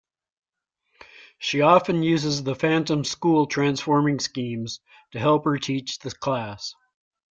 She often uses The Phantom's school transforming schemes to help her teach the class.